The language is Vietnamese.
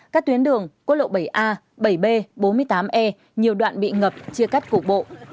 các tuyến đường quốc lộ bảy a bảy b bốn mươi tám e nhiều đoạn bị ngập chia cắt cục bộ